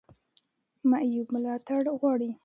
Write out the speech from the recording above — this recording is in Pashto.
معیوب ملاتړ غواړي